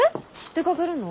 出かけるの？